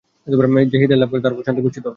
যে হিদায়াত লাভ করবে তার উপর শান্তি বর্ষিত হবে।